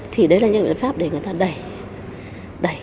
thì đấy là những giải pháp để người ta đẩy